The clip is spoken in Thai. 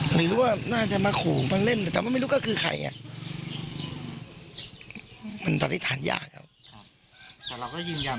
หรือว่าน่าจะมาขู่มาเล่นแต่ก็ไม่รู้ก็คือใครอ่ะมันปฏิฐานยากครับ